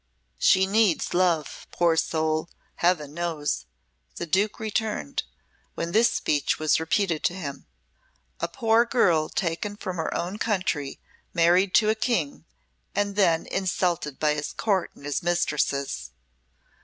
"She needs love, poor soul, Heaven knows," the Duke returned, when this speech was repeated to him. "A poor girl taken from her own country, married to a King, and then insulted by his Court and his mistresses!